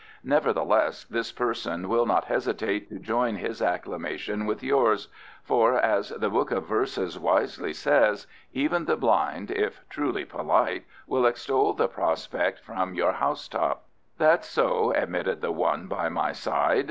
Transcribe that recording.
"Nevertheless, this person will not hesitate to join his acclamation with yours; for, as the Book of Verses wisely says, 'Even the blind, if truly polite, will extol the prospect from your house top.'" "That's so," admitted the one by my side.